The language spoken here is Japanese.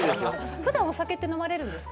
ふだん、お酒って飲まれるんですか？